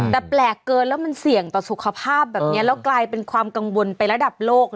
แต่แปลกเกินแล้วมันเสี่ยงต่อสุขภาพแบบนี้แล้วกลายเป็นความกังวลไประดับโลก